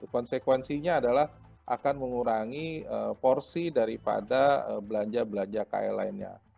konsekuensinya adalah akan mengurangi porsi daripada belanja belanja kl lainnya